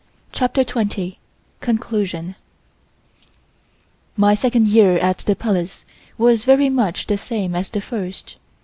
CHAPTER TWENTY CONCLUSION MY second year at the Palace was very much the same as the first.